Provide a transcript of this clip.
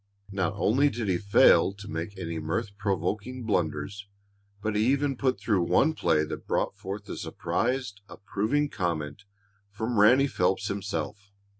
Not only did he fail to make any mirth provoking blunders, but he even put through one play that brought forth a surprised, approving comment from Ranny Phelps himself.